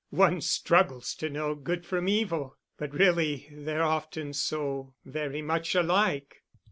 One struggles to know good from evil but really they're often so very much alike....